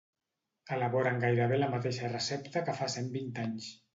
Elaboren gairebé la mateixa recepta que fa cent vint anys.